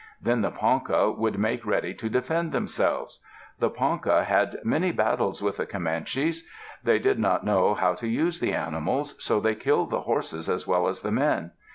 Then the Ponca would make ready to defend themselves. The Ponca had many battles with the Comanches. They did not know how to use the animals, so they killed the horses as well as the men.